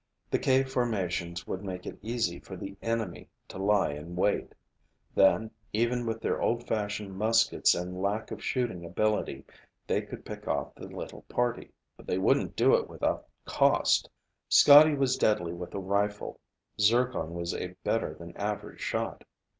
The cave formations would make it easy for the enemy to lie in wait. Then, even with their old fashioned muskets and lack of shooting ability, they could pick off the little party. But they wouldn't do it without cost! Scotty was deadly with a rifle. Zircon was a better than average shot.